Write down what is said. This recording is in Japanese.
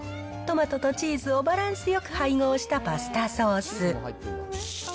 トマトとチーズをバランスよく配合したパスタソース。